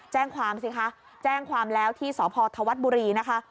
แจ้งความสิคะแจ้งความแล้วที่สพธวัฒน์บุรีนะคะ